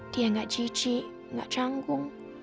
dia gak jijik gak canggung